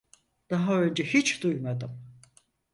Daha önce hiç duymadım.